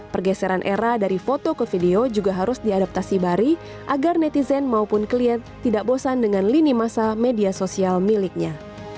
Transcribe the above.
pergeseran era dari foto ke video juga harus diadaptasi bari agar netizen maupun klien tidak bosan dengan lini masa media sosial miliknya